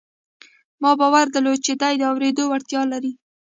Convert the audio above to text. ما باور درلود چې دی د اورېدو وړتیا لري